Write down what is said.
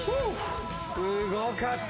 すごかった。